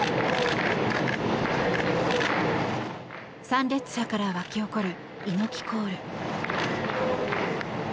参列者から沸き起こる猪木コール。